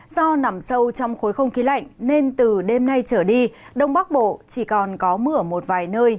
do nằm sâu trong khối không khí lạnh nên từ đêm nay trở đi đông bắc bộ chỉ còn có mưa ở một vài nơi